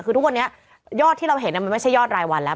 คือทุกวันนี้ยอดที่เราเห็นมันไม่ใช่ยอดรายวันแล้ว